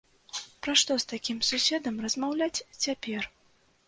Пра што з такім суседам размаўляць цяпер?